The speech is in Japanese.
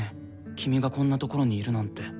君がこんなところにいるなんて。